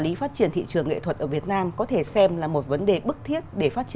lý phát triển thị trường nghệ thuật ở việt nam có thể xem là một vấn đề bức thiết để phát triển